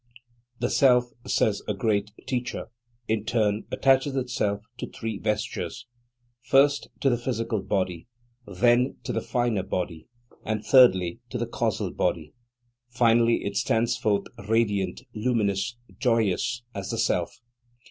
The Self, says a great Teacher, in turn attaches itself to three vestures: first, to the physical body, then to the finer body, and thirdly to the causal body. Finally it stands forth radiant, luminous, joyous, as the Self.